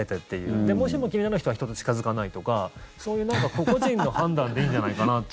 で、もしも気になる人は人と近付かないとかそういう何か個々人の判断でいいんじゃないかなって。